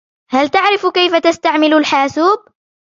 هل تعرف كيف تستعمل الحاسوب ؟